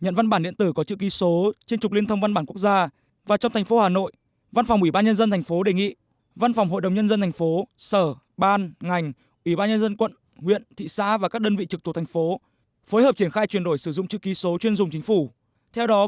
thay thế chữ ký số chuyên dùng thành phố đối với hoạt động gửi nhận văn bản điện tử trong thành phố